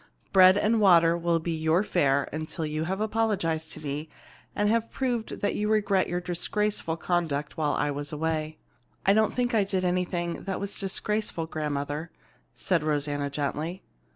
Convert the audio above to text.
"Bread and water will be your fare until you have apologized to me and have proved that you regret your disgraceful conduct while I was away." "I don't think that I did anything that was disgraceful, grandmother," said Rosanna gently.